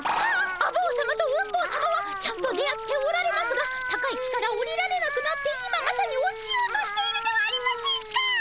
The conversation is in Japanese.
あ坊さまとうん坊さまはちゃんと出会っておられますが高い木から下りられなくなって今まさに落ちようとしているではありませんか！